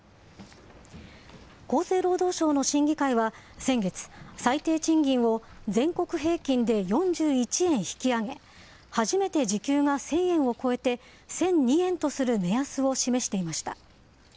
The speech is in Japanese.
厚生労働省の審議会は先月、最低賃金を全国平均で４１円引き上げ、初めて時給が１０００円を超えて、１００２円とする目安を示していました。